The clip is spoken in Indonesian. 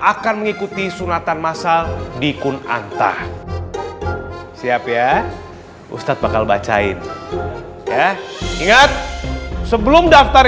akan mengikuti sunatan masal di kun antah siap ya ustadz bakal bacain ya ingat sebelum daftar